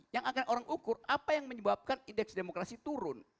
yang akan orang ukur apa yang menyebabkan indeks demokrasi turun